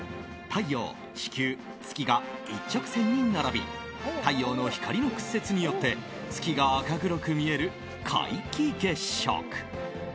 太陽、地球、月が一直線に並び太陽の光の屈折によって月が赤黒く見える皆既月食。